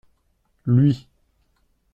Lui.